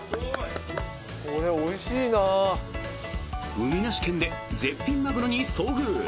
海なし県で絶品マグロに遭遇。